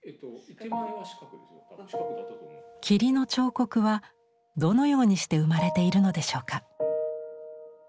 「霧の彫刻」はどのようにして生まれているのでしょうか？